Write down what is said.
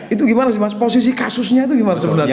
itu gimana sih mas posisi kasusnya itu gimana sebenarnya